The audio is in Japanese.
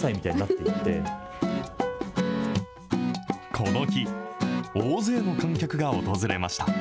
この日、大勢の観客が訪れました。